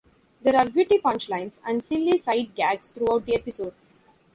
There are witty punchlines and silly sight gags throughout the episode.